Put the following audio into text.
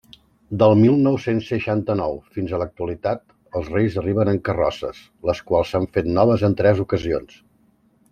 Del mil nou-cents seixanta-nou i fins a l'actualitat, els Reis arriben en carrosses, les quals s'han fet noves en tres ocasions.